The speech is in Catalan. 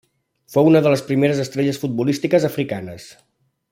Fou una de les primeres estrelles futbolístiques africanes.